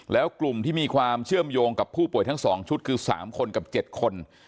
แล้วกลุ่มที่มีความเชื่อมโยงกับผู้ป่วยทั้ง๒ชุดคือ๓คนกับ๗คน